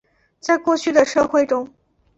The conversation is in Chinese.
在过去的社会中。